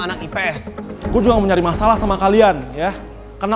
anak ips gue juga mencari masalah sama kalian ya karena